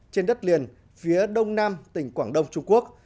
trên đất liền phía đông nam tỉnh quảng đông trung quốc